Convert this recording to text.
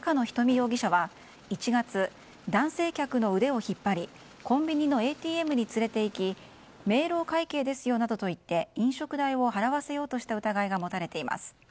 容疑者は１月、男性客の腕を引っ張りコンビニのＡＴＭに連れていき明朗会計ですよなどと言って飲食代を払わせようとした疑いが持たれています。